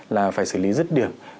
là phải xử lý rất đều